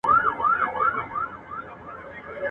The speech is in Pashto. هم پردی سي له خپلوانو هم له ځانه !.